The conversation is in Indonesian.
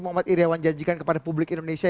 muhammad iryawan janjikan kepada publik indonesia